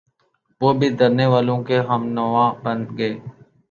وہ بھی دھرنے والوں کے ہمنوا بن گئے۔